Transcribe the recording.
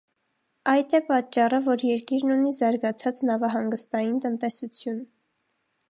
Այդ է պատճառը, որ երկիրն ունի զարգացած նավահանգստային տնտեսություն։